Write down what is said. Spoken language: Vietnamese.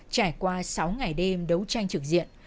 trải qua sáu ngày đêm đấu tranh trực diện